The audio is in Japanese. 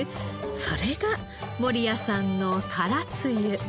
それが守屋さんの辛つゆ。